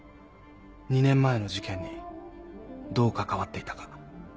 ２年前の事件にどう関わっていたか。